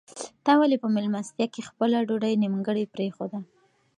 تا ولې په مېلمستیا کې خپله ډوډۍ نیمګړې پرېښوده؟